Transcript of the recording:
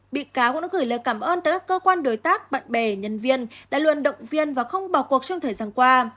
bị cáo cũng đã gửi lời cảm ơn tới các cơ quan đối tác bạn bè nhân viên đã luôn động viên và không bỏ cuộc trong thời gian qua